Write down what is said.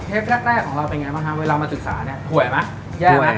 เทปแรกของเราเป็นยังไงบ้างครับเวลามาศึกษาเนี่ยห่วยมั้ยแย่มั้ย